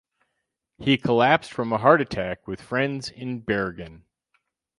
He collapsed from a heart attack with friends in Bergen.